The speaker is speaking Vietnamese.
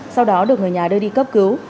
sau đó được người nhà đưa đi cấp cứu